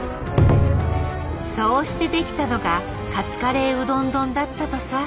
そうしてできたのがカツカレーうどん丼だったとさ。